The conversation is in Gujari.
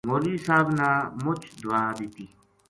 مولوی صاحب نا مُچ دُعا دِتی